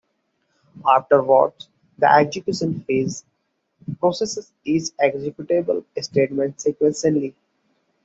Afterwards, the execution phase processes each executable statement sequentially.